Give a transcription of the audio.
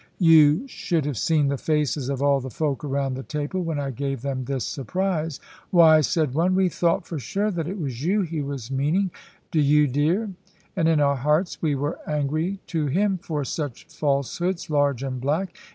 You should have seen the faces of all the folk around the table when I gave them this surprise. "Why," said one, "we thought for sure that it was you he was meaning, Dyo dear. And in our hearts we were angry to him, for such falsehoods large and black.